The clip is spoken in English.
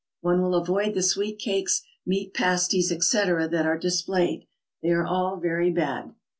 "One will avoid the sweet cakes, meat pasties, etc., that are displayed. They are all very bad.